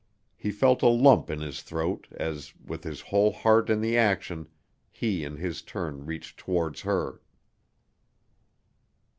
He felt a lump in his throat as, with his whole heart in the action, he in his turn reached towards her.